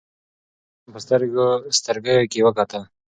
د فيمنيزم په سترګيو کې وکتل شو